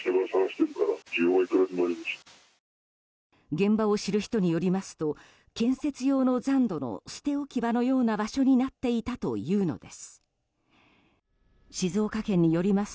現場を知る人によりますと建設用の残土の捨て置き場のような場所になっていたというのです。